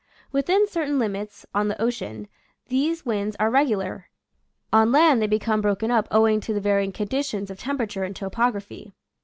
Within certain limits, on the ocean, these winds are regular; on land they become broken up owing to the varying conditions of temperature and topography.